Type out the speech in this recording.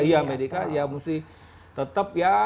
ya medika ya muslim tetap ya